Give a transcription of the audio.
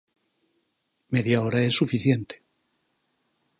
Media hora é suficiente.